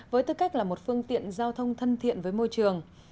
với tư cách là một phương tiện giao thông thân thiện với môi trường